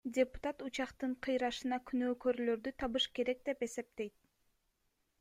Депутат учактын кыйрашына күнөөкөрлөрдү табыш керек деп эсептейт.